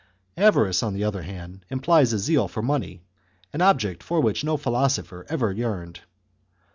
Avarice, on the other hand, implies a zeal for money, an object for which no philosopher ever yearned.